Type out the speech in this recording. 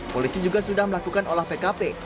polisi juga sudah melakukan olah tkp